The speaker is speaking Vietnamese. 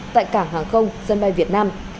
tại cảng hàng không sân bay việt nam